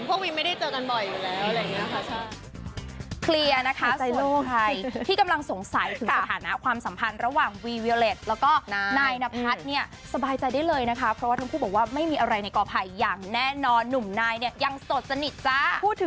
ผู้วีเฉยไม่มีอะไรต้องระวังแล้วก็เหมือนพวกวีไม่ได้เจอกันบ่อยอยู่แล้ว